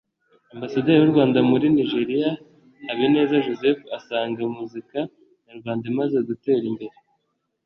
Ambasaderi w’u Rwanda muri Nigeria Habineza Joseph asanga muzika Nyarwanda imaze gutera imbere